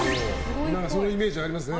そのイメージありますね。